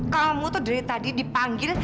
kamu tuh dari tadi dipanggil